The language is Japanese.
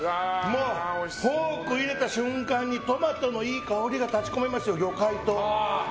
フォーク入れた瞬間にトマトのいい香りが立ち込めます魚介と。